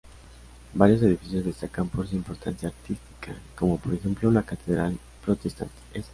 Varios edificios destacan por su importancia artística, como por ejemplo la catedral protestante St.